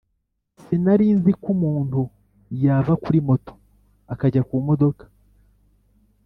Sinarinziko umuntu yava kuri moto akajya kumodoka